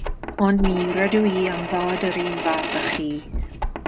Ond mi rydw i am fod yr un fath â chi.